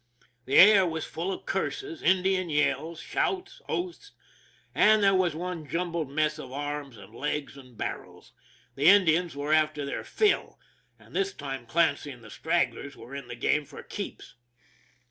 The air was full of curses, In dian yells, shouts, oaths; and there was one jumbled mess of arms, and legs, and barrels. The Indians were after their fill, and this time Clancy and the strag glers were in the game for keeps.